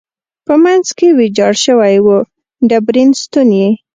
په منځ کې ویجاړ شوی و، ډبرین ستون یې.